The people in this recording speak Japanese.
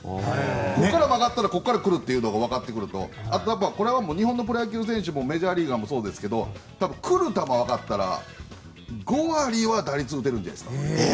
ここから曲がったらここから来るというのが分かってくるとあとこれは日本のプロ野球選手もメジャーリーガーもそうですけど来る球が分かったら５割は打てると思います。